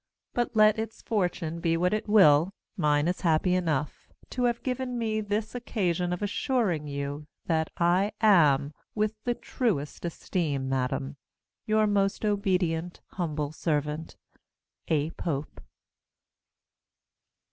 But let its fortune be what it will, mine is happy enough, to have given me this occasion of assuring you that I am, with the truest esteem, Madam, Your most obedient, humble servant, A. Pope.